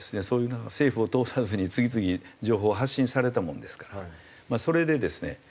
そういうのを政府を通さずに次々情報を発信されたものですからそれでですね